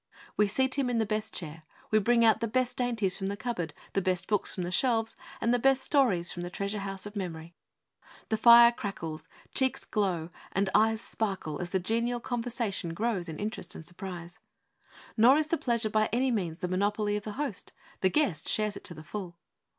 We seat him in the best chair; we bring out the best dainties from the cupboard, the best books from the shelves, and the best stories from the treasure house of memory. The fire crackles, cheeks glow, and eyes sparkle as the genial conversation grows in interest and surprise. Nor is the pleasure by any means the monopoly of the host; the guest shares it to the full.